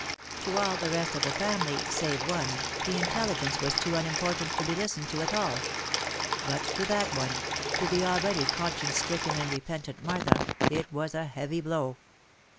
To all the rest of the family, save one, the intelligence was too unimportant to be listened to at all ; but to that one, to the al ready conscience stricken and repentant Martha, it was a heavy blow